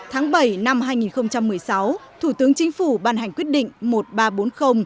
tháng bảy năm hai nghìn một mươi sáu thủ tướng chính phủ ban hành quyết định